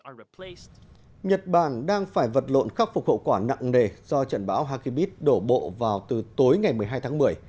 nhật bản đang phải vật lộn khắc phục hậu quả nặng nề do trận bão hakibis đổ bộ vào từ tối ngày một mươi hai tháng một mươi